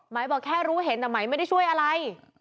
บอกแค่รู้เห็นแต่ไหมไม่ได้ช่วยอะไร